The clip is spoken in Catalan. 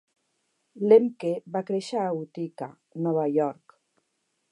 Lemke va créixer a Utica, Nova York.